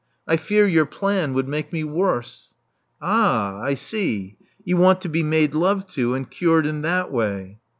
I fear your plan would make me worse." Ah, I see. You want to be made love to, and cured in that way.